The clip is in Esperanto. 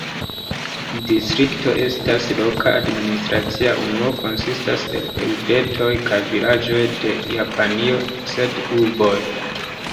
Distrikto estas loka administracia unuo konsistas el urbetoj kaj vilaĝoj de Japanio sed urboj.